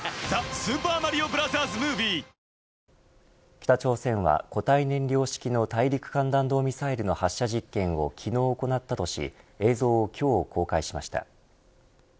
北朝鮮は固体燃料式の大陸間弾道ミサイルの発射実験を昨日行ったとし映像を、今日公開しました。